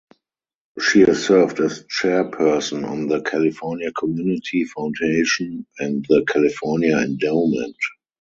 She has served as chairperson on the California Community Foundation and The California Endowment.